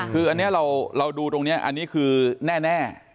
คืออันนี้เราดูตรงนี้อันนี้คือแน่